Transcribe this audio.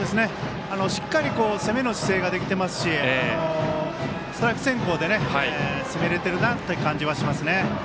しっかり攻めの姿勢ができていますしストライク先行で攻めれているなという感じがします。